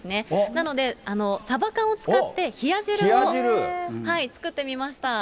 なので、サバ缶を使って冷や汁を作ってみました。